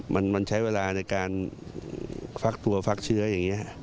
มันใช้เวลาในการฟักตัวฟักเชื้ออย่างนี้